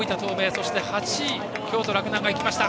そして８位で京都・洛南が行きました。